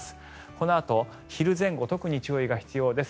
このあと昼前後特に注意が必要です。